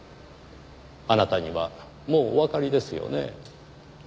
あなたにはもうおわかりですよね。